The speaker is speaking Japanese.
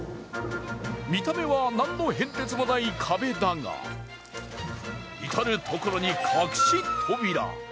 見た目は何の変哲もない壁だが、至る所に隠し扉。